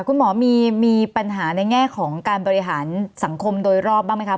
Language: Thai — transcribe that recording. คุณหมอมีปัญหาในแง่ของการบริหารสังคมโดยรอบบ้างไหมคะ